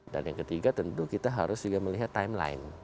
dan yang ketiga tentu kita harus juga melihat timeline